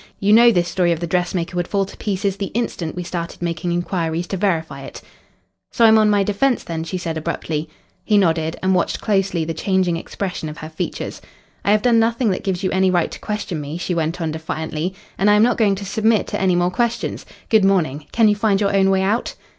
You know this story of the dressmaker would fall to pieces the instant we started making inquiries to verify it." "So I'm on my defence, then?" she said abruptly. He nodded and watched closely the changing expression of her features. "I have done nothing that gives you any right to question me," she went on defiantly. "And I am not going to submit to any more questions. Good morning. Can you find your own way out?"